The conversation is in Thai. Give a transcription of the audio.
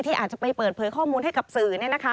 อาจจะไปเปิดเผยข้อมูลให้กับสื่อ